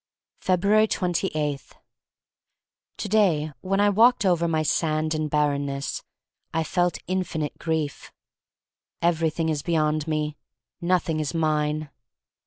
167 jfebruars 28. TO DAY when I walked over my sand and barrenness I felt Infi nite Grief. Everything is beyond me. Nothing is mine.